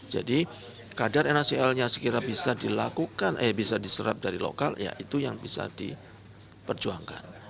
jadi kadar nhcl nya sekiranya bisa dilakukan eh bisa diserap dari lokal ya itu yang bisa diperjuangkan